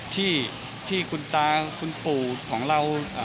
ที่คุณตาคุณปู่ของเรา